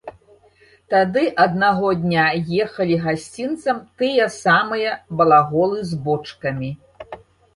Тады аднаго дня ехалі гасцінцам тыя самыя балаголы з бочкамі.